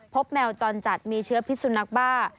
แมวจรจัดมีเชื้อพิสุนักบ้า